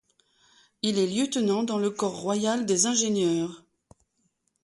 Il est lieutenant dans le corps royal des ingénieurs.